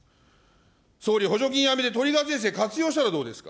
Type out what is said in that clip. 総理、補助金やめてトリガー税制活用したらどうですか。